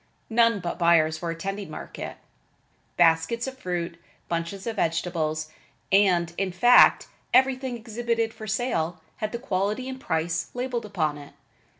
None but buyers were attending market. Baskets of fruit, bunches of vegetables and, in fact, everything exhibited for sale, had the quality and the price labeled upon it.